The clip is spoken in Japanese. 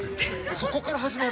そこから始まる？